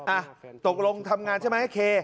อ่ะตกลงทำงานใช่ไหมเค